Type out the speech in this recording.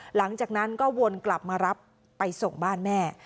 หลังจากนั้นก็วนกลับมารับไปส่งบ้านแม่